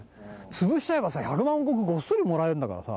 潰しちゃえばさ百万石ごっそりもらえるんだからさ。